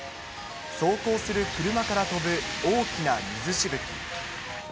走行する車から飛ぶ大きな水しぶき。